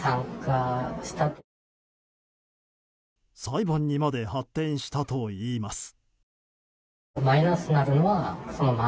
裁判にまで発展したといいます。